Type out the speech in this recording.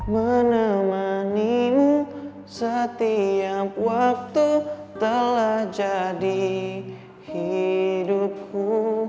menemanimu setiap waktu telah jadi hidupku